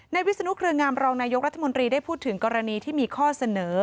วิศนุเครืองามรองนายกรัฐมนตรีได้พูดถึงกรณีที่มีข้อเสนอ